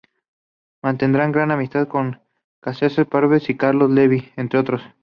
Mantendrán gran amistad con Cesare Pavese y con Carlo Levi, entre otros.